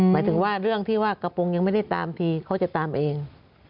หมายถึงว่าเรื่องที่ว่ากระโปรงยังไม่ได้ตามทีเขาจะตามเอง